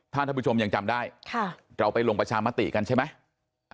ถ้าท่านผู้ชมยังจำได้เราไปลงประชามติกันใช่ไหม